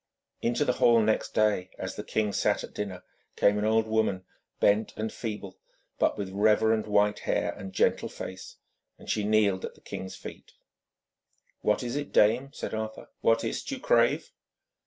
Into the hall next day, as the king sat at dinner, came an old woman, bent and feeble, but with reverend white hair and gentle face, and she kneeled at the king's feet. 'What is it, dame?' said Arthur. 'What is't you crave?'